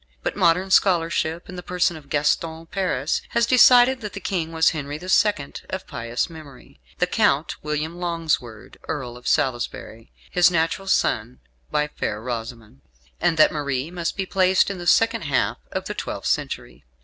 But modern scholarship, in the person of Gaston Paris, has decided that the King was Henry the Second, of pious memory; the Count, William Longsword, Earl of Salisbury, his natural son by Fair Rosamund; and that Marie must be placed in the second half of the twelfth century.